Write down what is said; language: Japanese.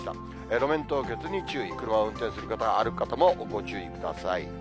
路面凍結に注意、車を運転する方や、歩く方も歩行注意ください。